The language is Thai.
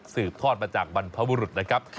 ทอดมาจากบรรพบุรุษนะครับ